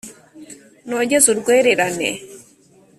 Nogeze urwererane,